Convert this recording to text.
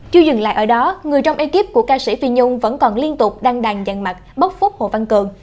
chưa dừng lại ở đó người trong ekip của ca sĩ phi nhung vẫn còn liên tục đăng đàn dàn mặt bốc phúc hồ văn cường